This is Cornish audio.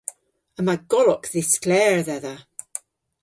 Yma golok dhiskler dhedha.